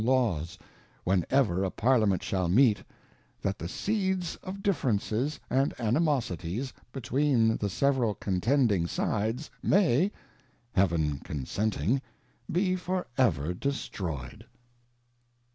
Laws, when ever a Parlkment shaJX^ meet, .thajt^the Seeds JiL D ifferences and Animosities between the several contending aideajaay (Heaven consenting) be for ever destroyed.